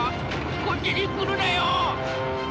こっちに来るなよ！